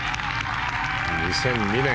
２００２年